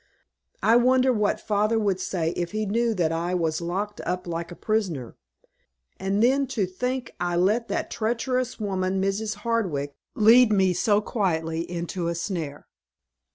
I wonder what father would say if he knew that I was locked up like a prisoner. And then to think I let that treacherous woman, Mrs. Hardwick, lead me so quietly into a snare.